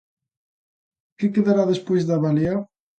Que quedará despois da balea?